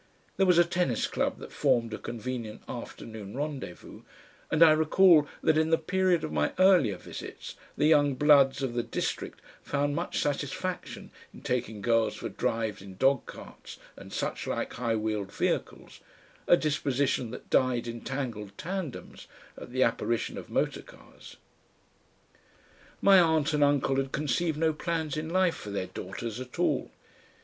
There was a tennis club that formed a convenient afternoon rendezvous, and I recall that in the period of my earlier visits the young bloods of the district found much satisfaction in taking girls for drives in dog carts and suchlike high wheeled vehicles, a disposition that died in tangled tandems at the apparition of motor car's. My aunt and uncle had conceived no plans in life for their daughters at all.